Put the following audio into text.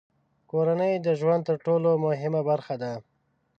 کورنۍ د ژوند تر ټولو مهمه برخه ده.